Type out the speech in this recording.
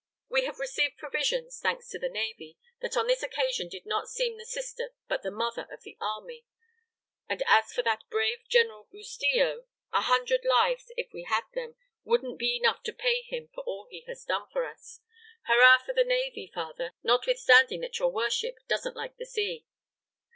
We have received provisions, thanks to the navy, that on this occasion did not seem the sister but the mother of the army; and as for that brave General Bustillo, a hundred lives, if we had them, wouldn't be enough to pay him for all he has done for us. Hurrah for the navy, father, notwithstanding that your worship doesn't like the sea.